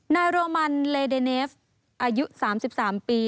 โรมันเลเดเนฟอายุ๓๓ปี